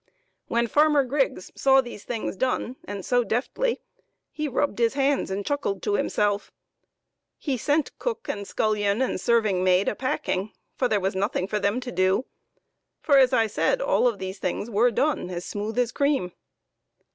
When Farmer Griggs saw these things done, and so .deftly, he rubbed his hands and chuckled to himself. He sent cook and scullion and serving maid a packing, there being nothing for them to do, for, as I said, all of these things were done as smooth as cream.